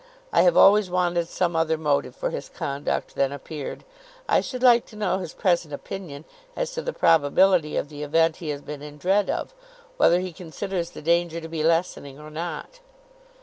I have always wanted some other motive for his conduct than appeared. I should like to know his present opinion, as to the probability of the event he has been in dread of; whether he considers the danger to be lessening or not."